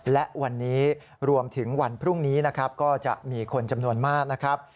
และวันนี้รวมถึงวันพรุ่งนี้ก็จะมีคนจำนวนมาก